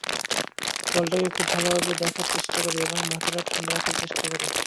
বলটাকে খুব ভালোভাবে দেখার চেষ্টা করি এবং মাথাটা ঠান্ডা রাখার চেষ্টা করি।